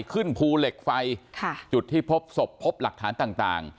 ขึ้นภูเหล็กไฟค่ะจุดที่พบศพพบหลักฐานต่าง